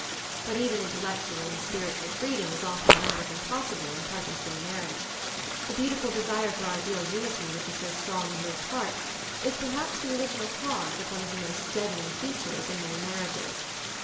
But even intellectual and spiritual freedom is often rendered impossible in present day marriage. The beautiful desire for ideal unity which is so strong in most hearts is perhaps the original cause of one of the most deadening features in many marriages.